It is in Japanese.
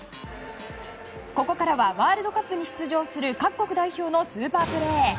ここからはワールドカップに出場する各国代表のスーパープレー。